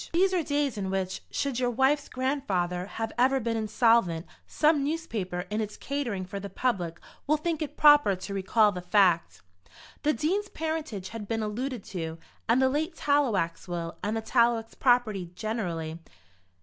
These are days in which, should your wife's grandfather have ever been insolvent, some newspaper, in its catering for the public, will think it proper to recall the fact. The Dean's parentage had been alluded to, and the late Tallowax will, and the Tallowax property generally.